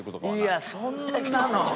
いやそんなの。